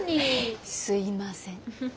すいません。